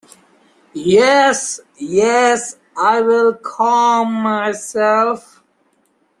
Yes, yes, I will calm myself.